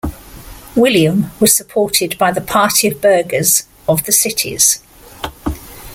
William was supported by the party of burghers of the cities.